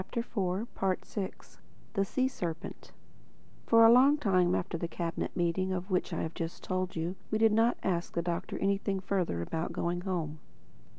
THE FOURTH CHAPTER THE SEA SERPENT FOR a long time after that Cabinet Meeting of which I have just told you we did not ask the Doctor anything further about going home.